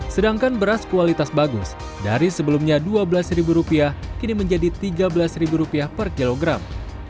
sedangkan beras kualitas bagus dari sebelumnya rp dua belas kini menjadi rp tiga belas per kilogram